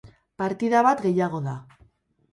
Partida bat gehiago da.